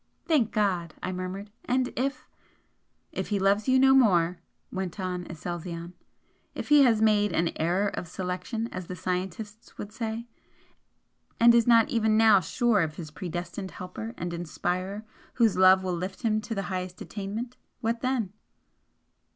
"Thank God!" I murmured. "And if " "If he loves you no more," went on Aselzion "If he has made an 'error of selection' as the scientists would say, and is not even now sure of his predestined helper and inspirer whose love will lift him to the highest attainment what then?"